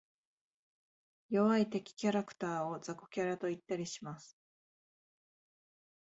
弱い敵キャラクターを雑魚キャラと言ったりします。